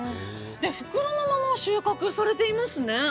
袋のまま収穫されていますね。